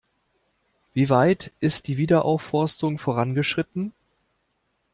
Wie weit ist die Wiederaufforstung vorangeschritten?